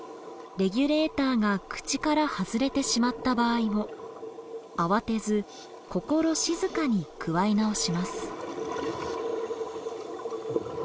レギュレーターが口から外れてしまった場合も慌てず心静かにくわえ直します。